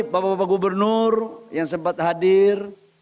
bapak bapak gubernur yang sempat hadir